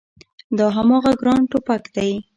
دا هماغه ګران ټوپګ دی